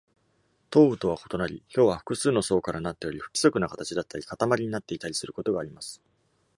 凍雨とは異なり、ひょうは複数の層からなっており、不規則な形だったり、塊になっていたりすることがあります。